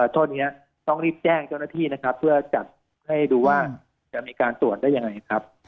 โทษนี้ต้องรีบแจ้งเจ้าหน้าที่นะครับเพื่อจัดให้ดูว่าจะมีการตรวจได้ยังไงครับ